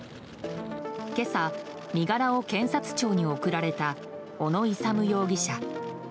今朝、身柄を検察庁に送られた小野勇容疑者。